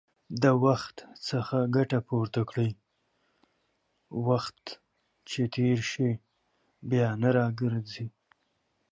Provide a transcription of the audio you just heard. د وخت څخه ګټه پورته کړئ، وخت چې تېر شي، بيا نه راګرځي